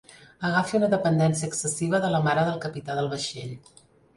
Agafi una dependència excessiva de la mare del capità del vaixell.